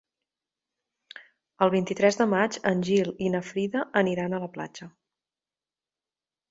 El vint-i-tres de maig en Gil i na Frida aniran a la platja.